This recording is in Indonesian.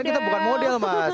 kita bukan model mas